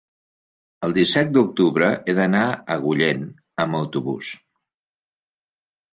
El disset d'octubre he d'anar a Agullent amb autobús.